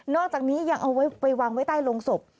อกจากนี้ยังเอาไว้ไปวางไว้ใต้โรงศพ